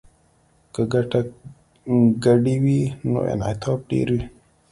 که ګټې ګډې وي نو انعطاف ډیر وي